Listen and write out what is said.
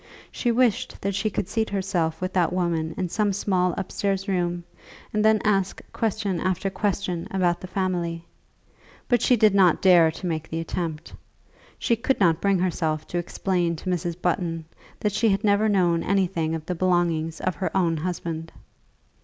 She wished that she could seat herself with that woman in some small upstairs room, and then ask question after question about the family. But she did not dare to make the attempt. She could not bring herself to explain to Mrs. Button that she had never known anything of the belongings of her own husband.